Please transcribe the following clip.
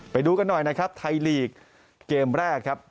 ไปดูกันหน่อยนะครับไทยลีกเกมแรกครับ